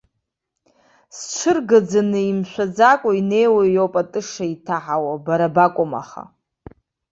Зҽыргаӡаны, имшәаӡакәа инеиуа иоуп атыша иҭаҳауа, бара бакәым аха.